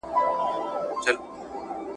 تللی به قاصد وي یو پیغام به یې لیکلی وي ..